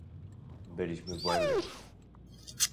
Byliśmy w błędzie